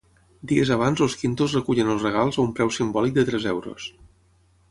Dies abans els quintos recullen els regals a un preu simbòlic de tres euros.